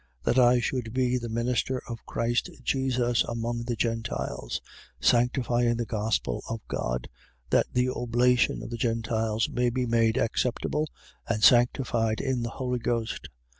That I should be the minister of Christ Jesus among the Gentiles: sanctifying the gospel of God, that the oblation of the Gentiles may be made acceptable and sanctified in the Holy Ghost.